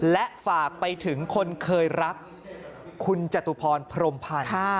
และฝากไปถึงคนเคยรักคุณจตุพรพรมพันธ์